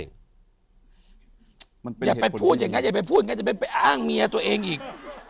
อย่าไปพูดอย่างนั้นอย่าไปพูดอย่างนั้นจะไปอ้างเมียตัวเองอีก